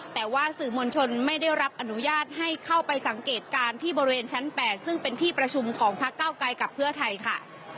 แต่ว่าสื่อมวลชนไม่ได้รับอนุญาตให้เข้าไปสังเกตการณ์ที่บริเวณชั้น๘ซึ่งเป็นที่ประชุมของพักเก้าไกลกับเพื่อไทยค่ะ